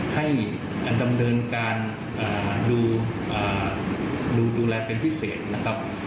ให้ดำเนินการดูแลเป็นพิเศษนะครับ